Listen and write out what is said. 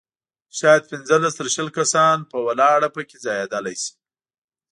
شاید پنځلس تر شل کسان په ولاړه په کې ځایېدلای شي.